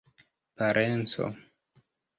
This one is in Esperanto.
parenco